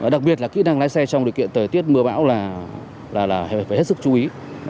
đặc biệt là kỹ năng lái xe trong điều kiện thời tiết mưa bão là phải hết sức chú ý